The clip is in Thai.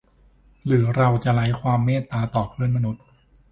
หรือเราจะไร้ความเมตตาต่อเพื่อนมนุษย์